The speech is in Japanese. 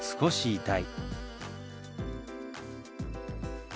「痛い」。